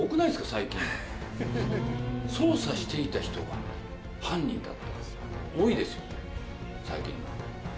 最近。捜査していた人が犯人だったって多いですよね、最近。